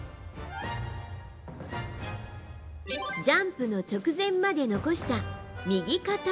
Ｂ、ジャンプの直前まで残した右肩。